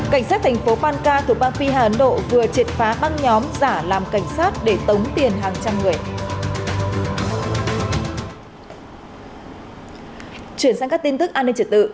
cảnh sát thành phố phan ca thuộc bang phi hà ấn độ vừa triệt phá băng nhóm giả làm cảnh sát để tống tiền hàng trăm người